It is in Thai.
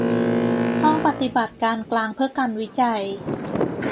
ห้องปฏิบัติการกลางเพื่อการวิจัย